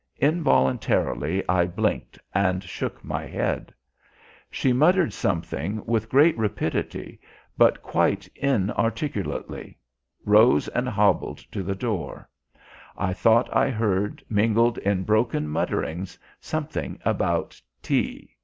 Involuntarily I blinked and shook my head. She muttered something with great rapidity, but quite inarticulately; rose and hobbled to the door. I thought I heard, mingled in broken mutterings, something about tea.